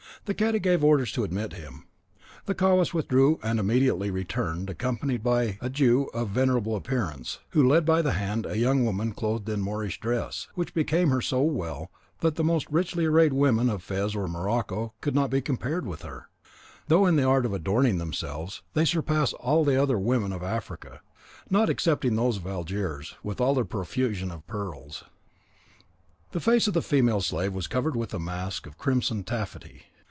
The cadi gave orders to admit him. The khawass withdrew and immediately returned, accompanied by a Jew of venerable appearance, who led by the hand a young woman clothed in the Moorish dress, which became her so well that the most richly arrayed women of Fez or Morocco could not be compared with her, though in the art of adorning themselves they surpass all the other women of Africa, not excepting even those of Algiers, with all their profusion of pearls. The face of the female slave was covered with a mask of crimson taffety.